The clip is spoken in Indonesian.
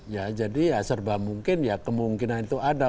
ya jadi ya serba mungkin ya kemungkinan itu ada